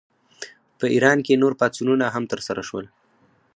په ایران کې نور پاڅونونه هم ترسره شول.